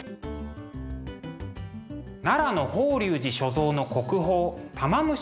奈良の法隆寺所蔵の国宝「玉虫厨子」です。